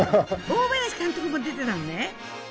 大林監督も出てたのね！